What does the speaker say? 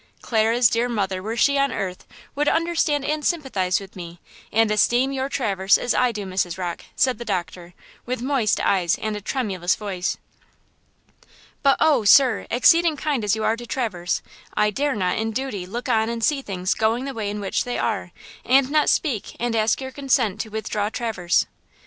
"Clara's dear mother, were she on earth, would understand and sympathize with me, and esteem your Traverse as I do, Mrs. Rocke," said the doctor, with moist eyes and a tremulous voice. "But oh, sir, exceeding kind as you are to Traverse, I dare not, in duty, look on and see things going the way in which they are, and not speak and ask your consent to withdraw Traverse!"